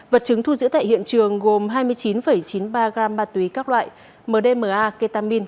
vật chứng thu giữ tại hiện trường gồm hai mươi chín chín mươi ba gram ma túy các loại mdma ketamin